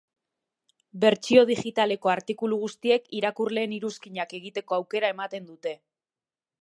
Bertsio digitaleko artikulu guztiek irakurleen iruzkinak egiteko aukera ematen dute.